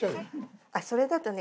それだとね